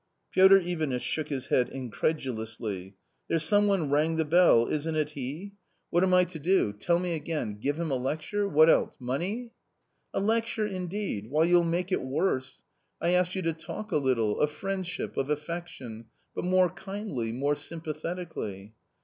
Piotr Ivanitch shook his head incredulously. " There's some one rang the bell, isn't it he ? What am I t ) A COMMON STORY 151 to do ? tell me again : give him a lecture — what else ; money ?"" A lecture indeed ! why, you'll make it worse. I asked you to talk a little of friendship, of affection, but more kindly, more sympathetically."